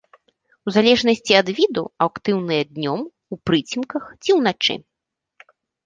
У залежнасці ад віду актыўныя днём, у прыцемках ці ўначы.